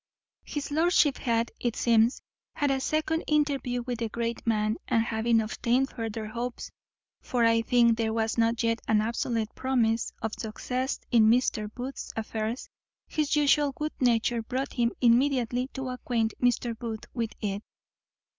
His lordship had, it seems, had a second interview with the great man, and, having obtained further hopes (for I think there was not yet an absolute promise) of success in Mr. Booth's affairs, his usual good nature brought him immediately to acquaint Mr. Booth with it.